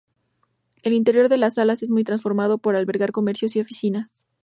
El interior de las salas está muy transformado para albergar comercios y oficinas.